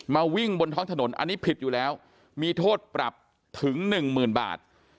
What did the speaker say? วิ่งบนท้องถนนอันนี้ผิดอยู่แล้วมีโทษปรับถึงหนึ่งหมื่นบาท